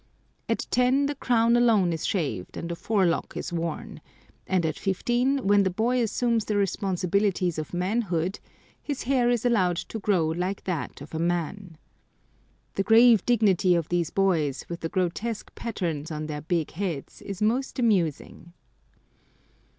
At ten the crown alone is shaved and a forelock is worn, and at fifteen, when the boy assumes the responsibilities of manhood, his hair is allowed to grow like that of a man. The grave dignity of these boys, with the grotesque patterns on their big heads, is most amusing.